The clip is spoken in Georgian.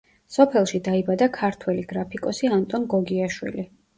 სოფელში დაიბადა ქართველი გრაფიკოსი ანტონ გოგიაშვილი.